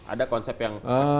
ada konsep yang